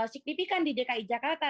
siklipikan di dki jakarta